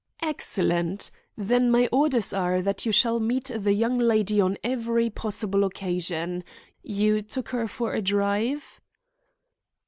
"Excellent! Then my orders are that you shall meet the young lady on every possible occasion. You took her for a drive?"